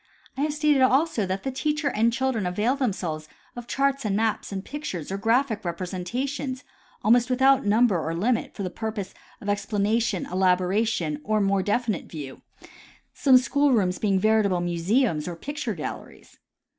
I have stated also that the teacher and children avail themselves of charts and maps and pictures or graphic representations almost with out number or limit for the purpose of explanation, elaboration or more definite view, some school rooms being veritable mu seums or picture galleries.